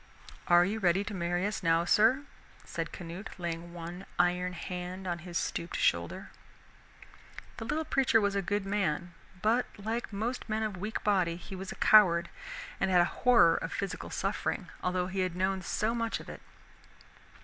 "Are you ready to marry us now, sir?" said Canute, laying one iron hand on his stooped shoulder. The little preacher was a good man, but like most men of weak body he was a coward and had a horror of physical suffering, although he had known so much of it.